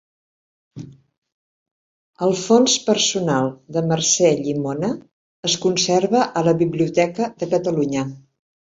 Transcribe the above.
El Fons personal de Mercè Llimona es conserva a la Biblioteca de Catalunya.